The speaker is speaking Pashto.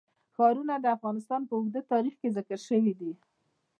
ښارونه د افغانستان په اوږده تاریخ کې ذکر شوی دی.